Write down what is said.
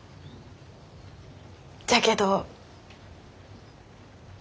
じゃけど。